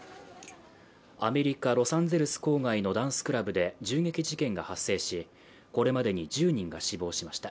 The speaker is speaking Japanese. アメリカ・ロサンゼルス郊外のダンスクラブで銃撃事件が発生しこれまでに１０人が死亡しました。